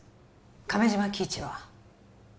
亀島喜一は？